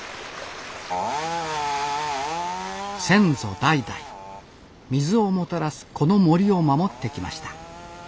先祖代々水をもたらすこの森を守ってきました